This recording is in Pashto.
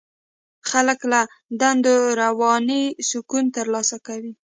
خلک له دندو رواني سکون ترلاسه کوي.